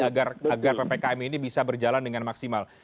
agar ppkm ini bisa berjalan dengan maksimal